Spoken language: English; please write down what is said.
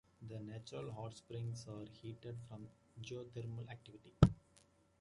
The natural hot springs are heated from geothermal activity.